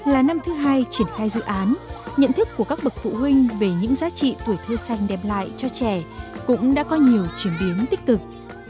là năm thứ hai triển khai dự án nhận thức của các bậc phụ huynh về những giá trị tuổi thơ xanh đem lại cho trẻ cũng đã có nhiều chuyển biến tích cực